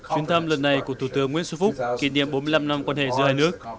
chuyến thăm lần này của thủ tướng nguyễn xuân phúc kỷ niệm bốn mươi năm năm quan hệ giữa hai nước